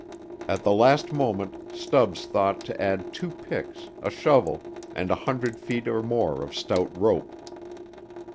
At the last moment Stubbs thought to add two picks, a shovel, and a hundred feet or more of stout rope.